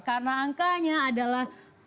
karena angkanya adalah